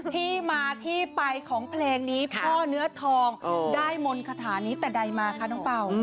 ที่มาที่ไปของเพลงนี้พ่อเนื้อทองได้มนต์คาถานี้แต่ใดมาคะน้องเป่า